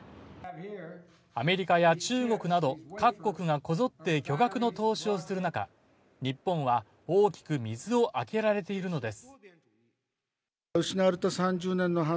アメリカや中国など各国がこぞって巨額の投資をする中、日本は大きく水をあけられているのです。